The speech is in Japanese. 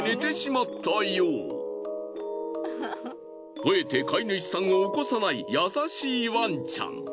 吠えて飼い主さんを起こさない優しいワンちゃん。